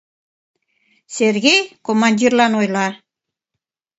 — Сергей командирлан ойла.